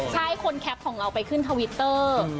ใช่คนแคปของเราไปขึ้นทวิตเตอร์